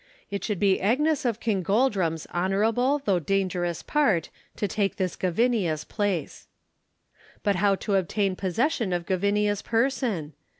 It should be Agnes of Kingoldrum's honorable though dangerous part to take this Gavinia's place. But how to obtain possession of Gavinia's person?